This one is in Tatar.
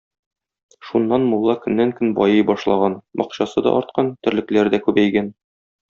Шуннан мулла көннән-көн байый башлаган: акчасы да арткан, терлекләре дә күбәйгән.